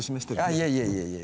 あっいやいやいやいや。